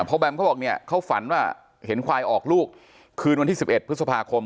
เพราะแบมเขาบอกเนี่ยเขาฝันว่าเห็นควายออกลูกคืนวันที่๑๑พฤษภาคม